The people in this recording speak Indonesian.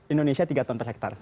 indonesia tiga ton per hektare